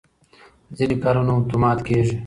ځینې کارونه اتومات کېږي.